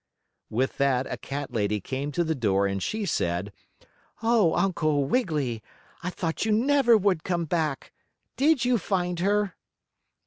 With that a cat lady came to the door and she said: "Oh, Uncle Wiggily! I thought you never would come back. Did you find her?"